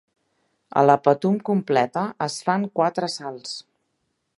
A la Patum completa es fan quatre salts.